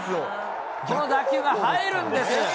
この打球が入るんです。